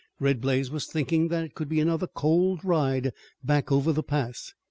Red Blaze was thinking that it would be another cold ride back over the pass.